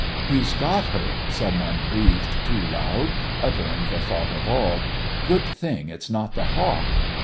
"He's got her!" some one breathed too loud, uttering the thought of all. "Good thing it's not the Hawk!"